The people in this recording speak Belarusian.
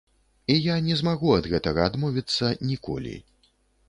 І я не змагу ад гэтага адмовіцца ніколі.